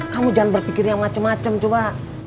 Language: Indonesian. kamu jangan berpikir yang macem macem coba